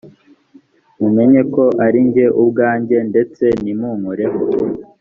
mumenye ko ari jye ubwanjye ndetse nimunkoreho